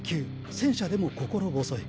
戦車でも心細い。